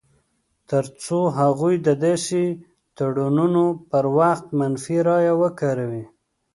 تر څو هغوی د داسې تړونونو پر وخت منفي رایه وکاروي.